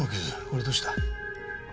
これどうした？